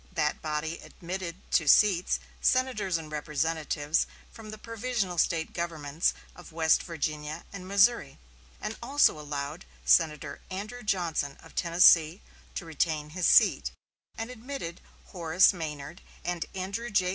That body admitted to seats senators and representatives from the provisional State governments of West Virginia and Missouri; and also allowed Senator Andrew Johnson of Tennessee to retain his seat, and admitted Horace Maynard and Andrew J.